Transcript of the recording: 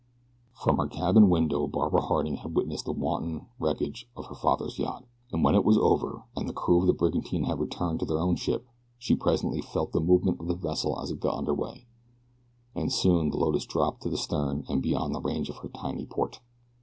From her cabin window Barbara Harding had witnessed the wanton wrecking of her father's yacht, and when it was over and the crew of the brigantine had returned to their own ship she presently felt the movement of the vessel as it got under way, and soon the Lotus dropped to the stern and beyond the range of her tiny port.